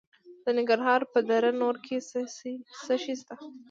د ننګرهار په دره نور کې څه شی شته؟